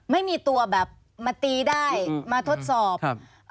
ไม่มีตัวแบบมาตีได้มาทดสอบครับ